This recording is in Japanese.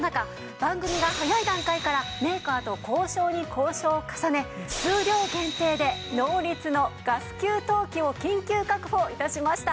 番組が早い段階からメーカーと交渉に交渉を重ね数量限定でノーリツのガス給湯器を緊急確保致しました。